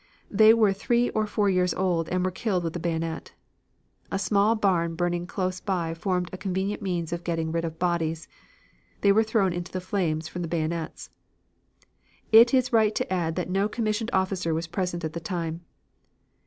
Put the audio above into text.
They were three or four years old and were killed with the bayonet. A small barn burning close by formed a convenient means of getting rid of bodies. They were thrown into the flames from the bayonets. It is right to add that no commissioned officer was present at the time.